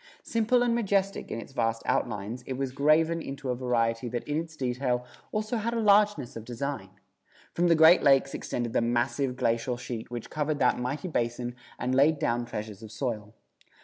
Simple and majestic in its vast outlines it was graven into a variety that in its detail also had a largeness of design. From the Great Lakes extended the massive glacial sheet which covered that mighty basin and laid down treasures of soil.